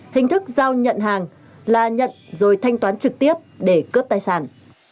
hình thức giao nhận hàng là nhận rồi thanh toán trực tiếp để cướp tài sản